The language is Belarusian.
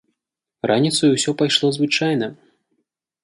Раніцаю ўсё пайшло звычайна.